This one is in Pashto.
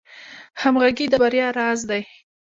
همغږي د بریا راز دی